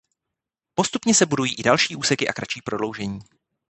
Postupně se budují i další úseky a kratší prodloužení.